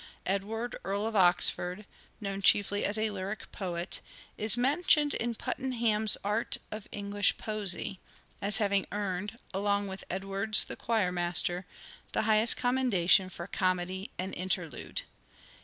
Edward Earl of Oxford, known chiefly as a lyric poet, is mentioned in Puttenham's ' Art of English Poesie ' as having earned, along with Edwards the choir master, the highest commendation for comedy and interlude.